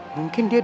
mungkin dia dong